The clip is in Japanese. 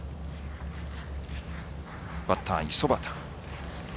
バッターは五十幡。